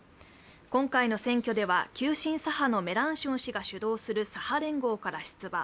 今回の選挙では急進左派のメランション氏が主導する左派連合から出馬。